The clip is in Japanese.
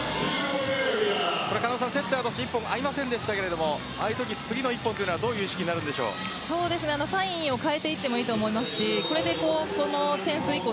セッターとして１本、合いませんでしたがああいうとき、次の１本はどういう意識にサインを変えていってもいいと思うしこれでこの点数以降